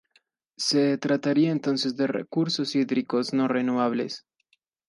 Se trataría entonces de recursos hídricos no renovables.